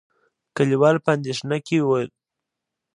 کليوال په اندېښنه کې ول.